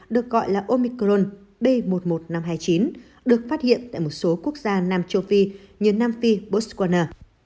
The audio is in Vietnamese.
được gọi là omicron b một một năm trăm hai mươi chín được phát hiện tại một số quốc gia nam châu phi như nam phi botswana